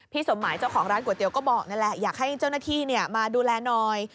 สมหมายเจ้าของร้านก๋วยเตี๋ยก็บอกนั่นแหละอยากให้เจ้าหน้าที่มาดูแลหน่อย